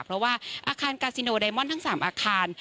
เพราะว่าอาคารกาซิโนไดมอนทั้ง๓อาคาร